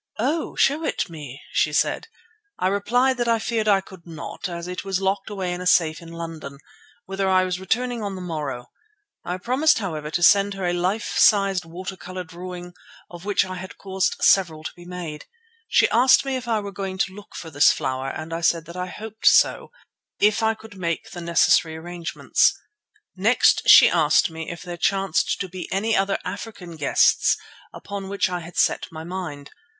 "Oh! show it me," she said. I replied that I feared I could not, as it was locked away in a safe in London, whither I was returning on the morrow. I promised, however, to send her a life sized water colour drawing of which I had caused several to be made. She asked me if I were going to look for this flower, and I said that I hoped so if I could make the necessary arrangements. Next she asked me if there chanced to be any other African quests upon which I had set my mind.